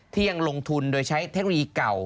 ที่ยังลงทุนโดยใช้เทคโนโลยีเก่า